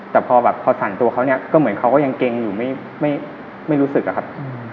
แต่พอแบบพอสั่นตัวเขาเนี่ยก็เหมือนเขาก็ยังเกรงอยู่ไม่รู้สึกอะครับ